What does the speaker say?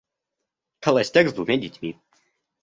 Холостяк с двумя детьми.